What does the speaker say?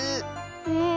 うん。